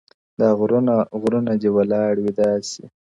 • دا غرونه ؛ غرونه دي ولاړ وي داسي؛